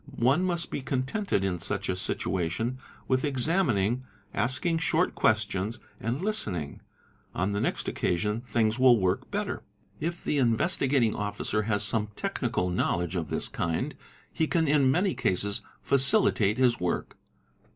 One must be con tented in such a situation with examining, asking short questions and listening ; on the next. occasion things will work better. If the Investigating Officer has some technical knowledge of this kind he can in many cases facilitate his work.